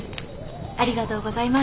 ありがとうございます。